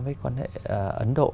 với quan hệ ấn độ